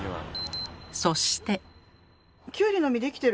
そして。